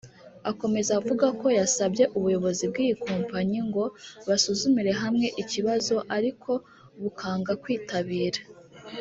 Akomeza avuga ko basabye ubuyobozi bw’iyi kompanyi ngo basuzumire hamwe ikibazo ariko bukanga kwitabira